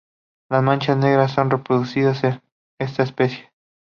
Las manchas negras son más reducidas que en esa especie.